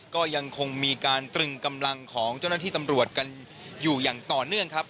ก็ยังคงมีการตรึงกำลังของเจ้าหน้าที่ตำรวจกันอยู่อย่างต่อเนื่องครับ